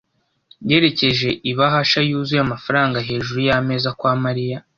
yerekeje ibahasha yuzuye amafaranga hejuru yameza kwa Mariya.